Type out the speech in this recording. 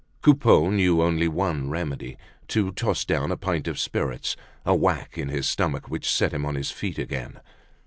Coupeau knew only one remedy, to toss down a pint of spirits; a whack in his stomach, which set him on his feet again.